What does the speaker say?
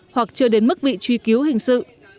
hoặc chưa đến mức vị truy cứu hình sự